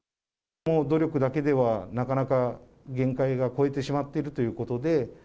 もう努力だけでは、なかなか限界が超えてしまっているということで。